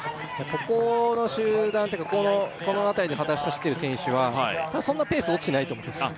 ここの集団っていうかこの辺りで走ってる選手はそんなペース落ちてないと思うんです